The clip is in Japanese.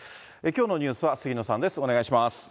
きょうのニュースは杉野さんです。